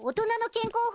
健康法？